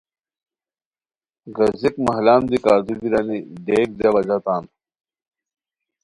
گزیک مہلم دی کاردو بیرانی ڈیک جابجا تان